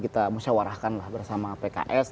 kita mesyawarahkan bersama pks